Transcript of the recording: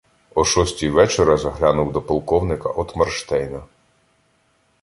О шостій вечора заглянув до полковника Отмарштейна.